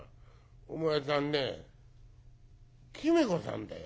お前さんね君子さんだよ。